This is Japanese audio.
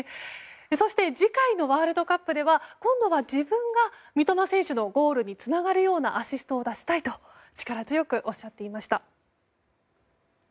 そして次回のワールドカップでは今度が自分が三笘選手のゴールにつながるようなアシストを出したいと力強くおっしゃっていました。